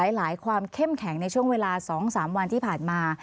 หลายความเข้มแข็งในช่วงเวลา๒๓วันที่ผ่านมา